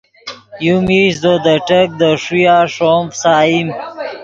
یو میش زو دے ٹیک دے ݰویا ݰوم فیسائیم